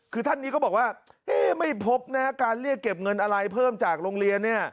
คือท่านนี้ก็บอกว่าเอ๊ะไม่พบนะการเรียกเก็บเงินอะไรเพิ่มจากโรงเรียนเนี่ย